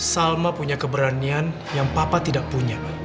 salma punya keberanian yang papa tidak punya